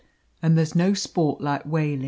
And there's no sport like whalin'.